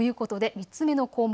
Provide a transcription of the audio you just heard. ３つ目の項目